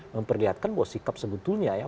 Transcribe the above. memperlihatkan bahwa sikap sebetulnya ya